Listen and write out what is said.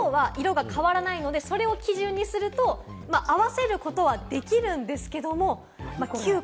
中央は色が変わらないので、それを基準にすると合わせることはできるんですけれども。